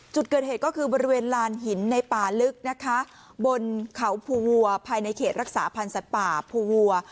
จุดเกิดเหตุก็คือบริเวณลานหินในป่าลึกนะคะบนเขาภูวัวภายในเขตรักษาพันธ์สัตว์ป่าภูวัว